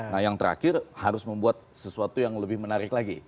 nah yang terakhir harus membuat sesuatu yang lebih menarik lagi